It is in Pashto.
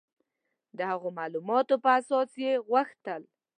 د هغو معلوماتو په اساس یې غوښتل.